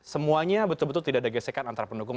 semuanya betul betul tidak ada gesekan antara pendukung